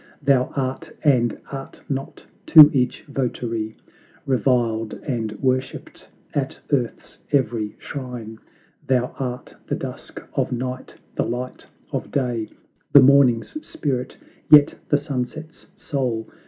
Thou art, and art not to each votary; Reviled and worshiped at earth's every shrine! Thou art the dusk of Night, the light of Day, The Morning's spirit, yet the Sunset's soul.